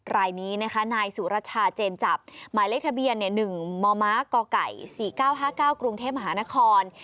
รายนี้นะคะนายสุรชาเจนจับหมายเลขทะเบียน๑มมกไก่๔๙๕๙กรุงเทพมหานคร